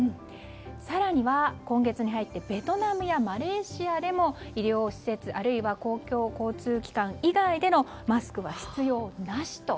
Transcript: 更には今月に入ってベトナムやマレーシアでも医療施設、あるいは公共交通機関以外でのマスクは必要なしと。